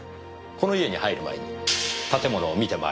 この家に入る前に建物を見て回りました。